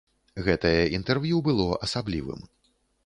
Гэтае інтэрв'ю было асаблівым.